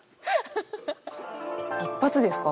一発ですか？